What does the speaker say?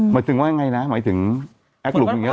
หมายถึงว่าอย่างไรนะหมายถึงแอคลูปอย่างนี้หรอ